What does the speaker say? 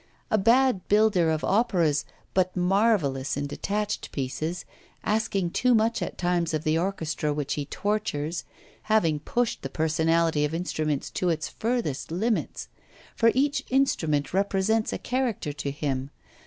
A bad builder of operas, but marvellous in detached pieces, asking too much at times of the orchestra which he tortures, having pushed the personality of instruments to its furthest limits; for each instrument represents a character to him.